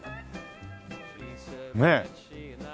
ねえ。